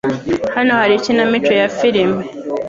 Hano hari ikinamico ya firime.